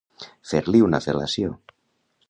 Fer-li una fel·lació.